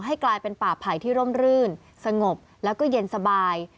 ให้กลายเป็นป่าไผ่ที่ร่มรื่นสงบแล้วก็เย็นสบาย